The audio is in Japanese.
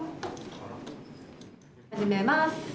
始めます。